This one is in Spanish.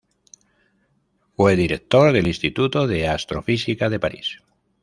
Fue director del Instituto de Astrofísica de París.